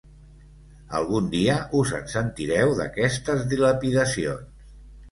Algun dia us en sentireu, d'aquestes dilapidacions.